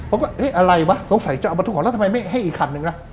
เราสงสัยจะเอามาธุแล้วทำไมไม่ให้อีกคันหนึ่ง